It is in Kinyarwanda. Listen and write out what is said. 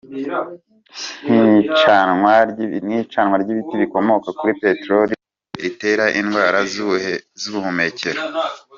nk’icanwa ry’ibiti n’ibikomoka kuri peterori ritera indwara z’ubuhumekero